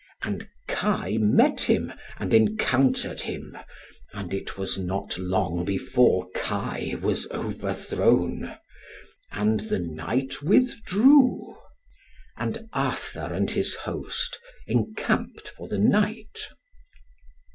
And Kai met him and encountered him, and it was not long before Kai was overthrown. And the Knight withdrew. And Arthur and his host encamped for the night.